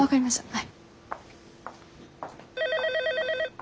はい。